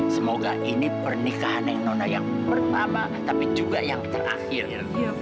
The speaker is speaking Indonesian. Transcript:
semoga ini pernikahan yang nona yang pertama tapi juga yang terakhir